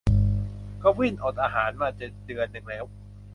กวิ้นอดอาหารมาจะเดือนนึงแล้ว